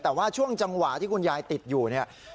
แต่ว่าช่วงจังหวะที่คุณยายติดอยู่เนี่ย